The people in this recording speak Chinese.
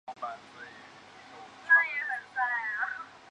交战双方为罗马帝国的君士坦丁一世和马克森提乌斯。